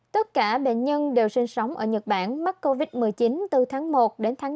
tất cả bệnh nhân đều sinh sống ở nhật bản mắc covid một mươi chín từ tháng một đến tháng bốn